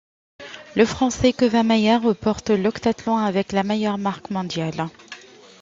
Le Français Kevin Mayer remporte l'octathlon avec la meilleure marque mondiale.